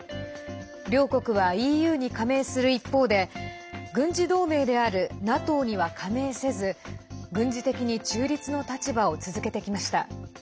両国は、ＥＵに加盟する一方で軍事同盟であるＮＡＴＯには加盟せず軍事的に中立の立場を続けてきました。